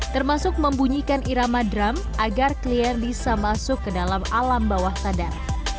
termasuk membunyikan irama drum agar klien bisa masuk ke dalam alam bawah sadar